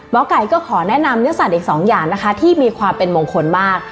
ไก่ก็ขอแนะนำเนื้อสัตว์อีกสองอย่างนะคะที่มีความเป็นมงคลมาก